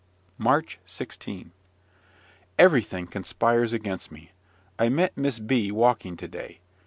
March 16. Everything conspires against me. I met Miss B walking to day.